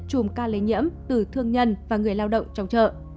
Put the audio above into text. chùm ca lây nhiễm từ thương nhân và người lao động trong chợ